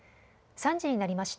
３時になりました。